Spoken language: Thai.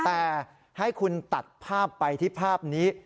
แต่ให้คุณตัดภาพไปที่ภาพนี้